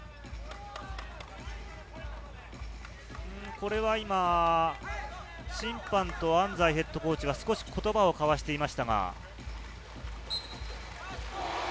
これは今、審判と安齋ヘッドコーチが言葉を交わしていましたが。